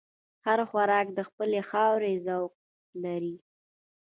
هر خوراک د خپلې خاورې ذوق لري.